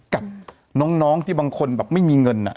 กับน้องที่บางคนแบบไม่มีเงิน